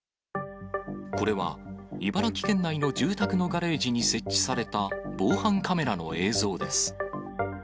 これは茨城県内の住宅のガレージに設置された防犯カメラの映像です。